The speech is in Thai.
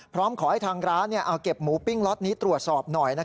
พร้อมขอให้ทางร้านเอาเก็บหมูปิ้งล็อตนี้ตรวจสอบหน่อย